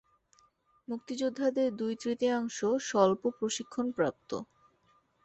মুক্তিযোদ্ধাদের দুই-তৃতীয়াংশ স্বল্প প্রশিক্ষণপ্রাপ্ত।